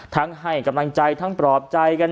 ทั้งให้กำลังใจทั้งปรอบใจ